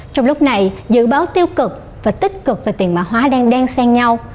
trong lúc này dự báo tiêu cực và tích cực về tiền mã hóa đang đen sen nhau